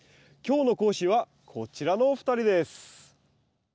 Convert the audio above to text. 今日の講師はこちらのお二人です。